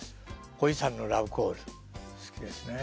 「こいさんのラブ・コール」好きですねえ